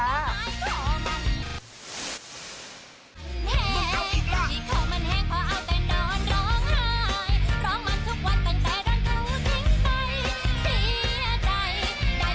ไม่รักก็หายของ